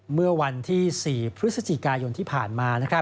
เมื่อวันที่๔พฤศจิกายนที่ผ่านมา